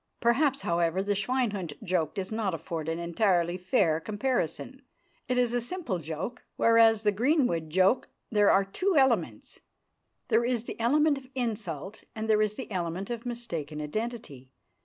Perhaps, however, the "Schweinhund" joke does not afford an entirely fair comparison. It is a simple joke, whereas in the Greenwood joke there are two elements. There is the element of insult, and there is the element of mistaken identity.